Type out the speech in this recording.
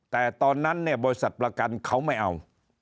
แต่ตอนนั้นเนี่ยบริษัทประกันเขาไม่เอา